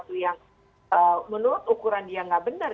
atau yang menurut ukuran dia tidak benar